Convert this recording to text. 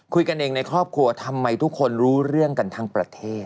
คุยกันเองในครอบครัวทำไมทุกคนรู้เรื่องกันทั้งประเทศ